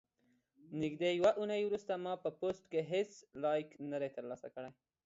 نږدې یوه اونۍ وروسته ما په پوسټ کې هیڅ لیک نه دی ترلاسه کړی.